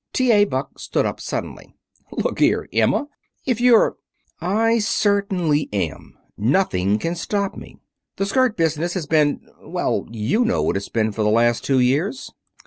T. A. Buck stood up suddenly. "Look here, Emma! If you're " "I certainly am. Nothing can stop me. The skirt business has been well, you know what it's been for the last two years.